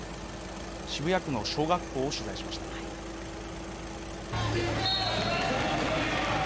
渋谷区の小学校を取材しました。